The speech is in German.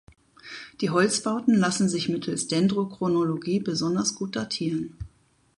Die Holzbauten lassen sich mittels Dendrochronologie besonders gut datieren.